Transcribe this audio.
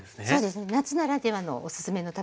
夏ならではのおすすめの食べ方です。